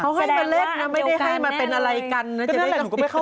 บอกช่องว่าเรียกรถเมย์ไปเล่นกับน้องเขาได้นะคะ